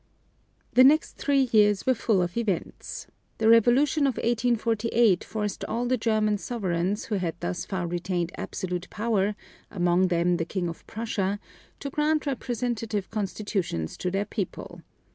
The next three years were full of events. The revolution of 1848 forced all the German sovereigns who had thus far retained absolute power, among them the King of Prussia, to grant representative constitutions to their people.